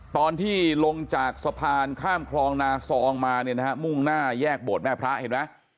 ตอนที่ลงจากสะพานข้ามคลองนาซองมาเนี่ยนะฮะมุ่งหน้าแยกโบสถแม่พระเห็นไหม